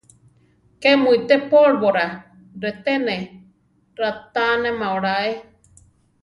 ¿Ké mu ité pólvora? reté ne raʼtánema oláe.